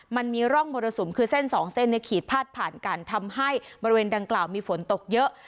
มันมีร่องมรสุมคือเส้นสองเส้นเนี่ยขีดพาดผ่านกันทำให้บริเวณดังกล่าวมีฝนตกเยอะ